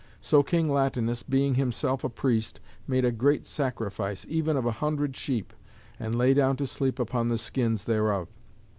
So King Latinus, being himself a priest, made a great sacrifice, even of a hundred sheep, and lay down to sleep upon the skins thereof.